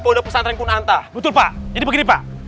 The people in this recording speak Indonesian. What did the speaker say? pondok pesantren kunanta betul pak ini begini pak